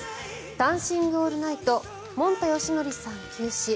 「ダンシング・オールナイト」もんたよしのりさん急死。